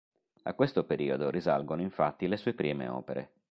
A questo periodo risalgono infatti le sue prime opere.